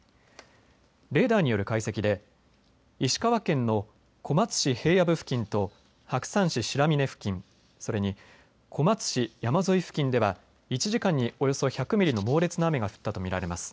レーダーによる解析で石川県の小松市平野部付近と白山市白峰付近、それに小松市山沿い付近では１時間におよそ１００ミリの猛烈な雨が降ったと見られます。